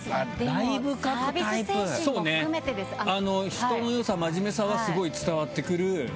人の良さ真面目さはスゴい伝わってくる。